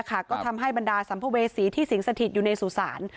ก็ทำให้บรรดาสรรพเวสีที่สีงสะทิตอยู่ในศุษล